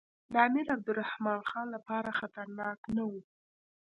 د امیر عبدالرحمن خان لپاره خطرناک نه وو.